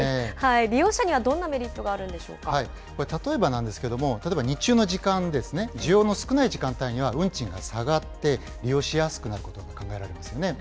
利用者にはどんなメリットがある例えばなんですけども、例えば日中の時間ですね、需要の少ない時間帯には運賃が下がって、利用しやすくなることも考えられますよね。